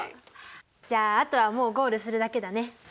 じゃああとはもうゴールするだけだね。